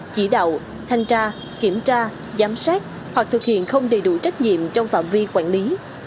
chỉ đạo thanh tra kiểm tra giám sát hoặc thực hiện không đầy đủ trách nhiệm trong phạm vi quản lý